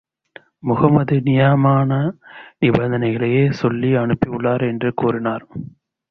முஹம்மது நியாயமான நிபந்தனைகளையே சொல்லி அனுப்பியுள்ளார் என்று கூறினார்.